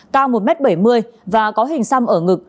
cao một m bảy mươi và có hình xăm ở ngực